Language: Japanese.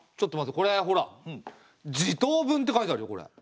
これほら「地頭分」って書いてあるよこれ。